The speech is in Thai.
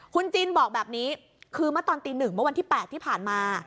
คุณจินบอกแบบนี้คือเมื่อตอนตี๑เมื่อวันที่๘ที่ผ่านมา